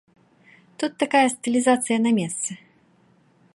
Тут такая стылізацыя на месцы.